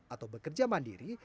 atau bekerja mandiri